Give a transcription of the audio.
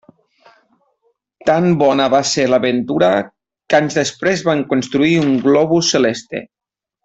Tan bona va ser l'aventura que anys després van construir un globus celeste.